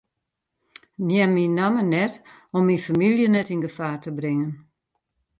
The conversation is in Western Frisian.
Neam myn namme net om myn famylje net yn gefaar te bringen.